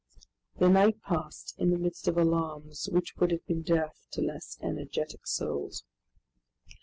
The night passed in the midst of alarms which would have been death to less energetic souls.